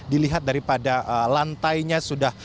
dilihat daripada lantainya sudah